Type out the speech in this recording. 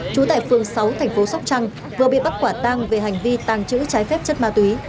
trú tại phường sáu thành phố sóc trăng vừa bị bắt quả tang về hành vi tàng trữ trái phép chất ma túy